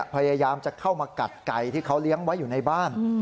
พยายามจะเข้ามากัดไก่ที่เขาเลี้ยงไว้อยู่ในบ้าน